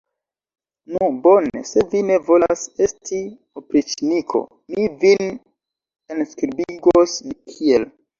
Nu, bone, se vi ne volas esti opriĉniko, mi vin enskribigos kiel.